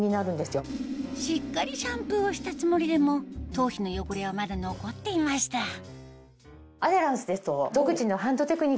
しっかりシャンプーをしたつもりでも頭皮の汚れはまだ残っていましたアデランスですと。